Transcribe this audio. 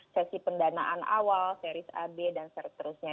sesi pendanaan awal series ab dan seterusnya